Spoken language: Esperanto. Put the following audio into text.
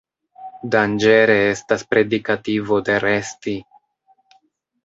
Danĝere estas predikativo de resti.